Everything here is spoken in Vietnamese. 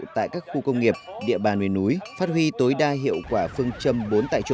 tại các khu công nghiệp địa bàn miền núi phát huy tối đa hiệu quả phương châm bốn tại chỗ